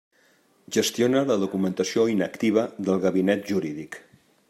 Gestiona la documentació inactiva del Gabinet Jurídic.